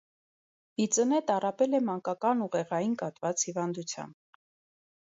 Ի ծնե տառապել է մանկական ուղեղային կաթված հիվանդությամբ։